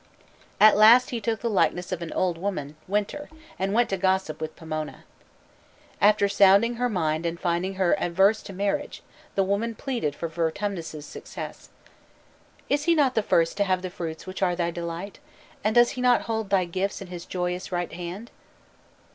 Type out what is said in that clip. At last he took the likeness of an old woman (winter), and went to gossip with Pomona. After sounding her mind and finding her averse to marriage, the woman pleaded for Vertumnus's success. "Is not he the first to have the fruits which are thy delight? And does he not hold thy gifts in his joyous right hand?"